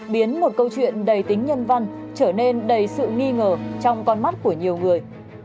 biến một câu chuyện đầy tính nhân văn trở nên đầy sự nghi ngờ trong con mắt của nhiều người